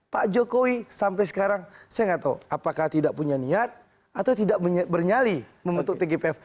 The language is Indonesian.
pak jokowi sampai sekarang saya nggak tahu apakah tidak punya niat atau tidak bernyali membentuk tgpf